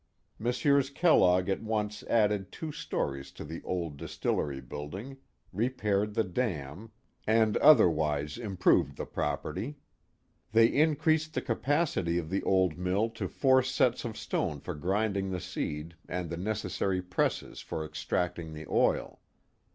Messrs. Kellogg at once added two stories to the old dis tillery building, repaired the dam, and otherwise improved the ^^P 328 The Mohawk Valley ^^^H property. They increased the capacity oT the old mill to four ^^^1 sets of stone (or grinding the ^eed and the necessary presses ^^^H for extracting the oil.